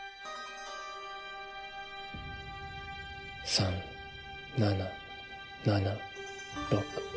３７７６。